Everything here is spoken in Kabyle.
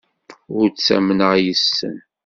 Ur ttamneɣ yes-sen.